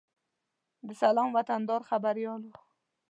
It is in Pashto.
د سلام وطندار خبریال و.